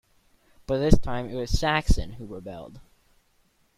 But this time it was Saxon who rebelled.